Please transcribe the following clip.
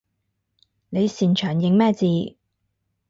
你擅長認咩字？